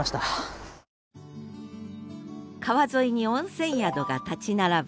川沿いに温泉宿が立ち並ぶ